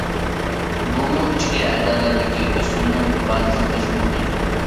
بۇمۇ ئىچكى ئەزالاردىكى ئۆسمىنىڭ ئىپادىسى بولۇشى مۇمكىن.